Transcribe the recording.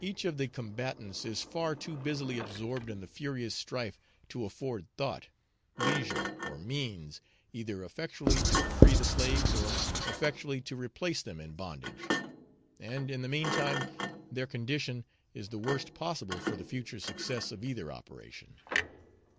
Each of the combatants is far too busily absorbed in the furious strife to afford thought, leisure, or means, either effectually to free the slaves or effectually to replace them in bondage; and in the meantime their condition is the worst possible for the future success of either operation.